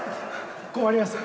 困ります。